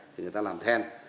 thì người ta làm then